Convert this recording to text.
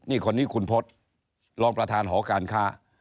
นี่คนนี้คุณพศรองประธานหอการค้า